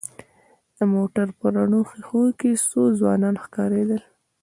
د موټر په رڼو ښېښو کې څو ځوانان ښکارېدل.